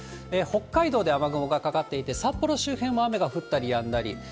北海道で雨雲がかかっていて、札幌周辺は雨が降ったりやんだり。